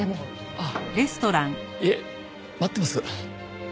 あっいえ待ってます。